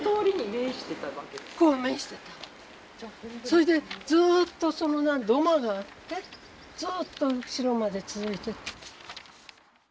それでずっと土間があってずっと後ろまで続いてた。